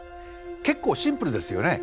結構シンプルですよね。